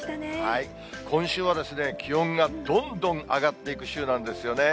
今週は気温がどんどん上がっていく週なんですよね。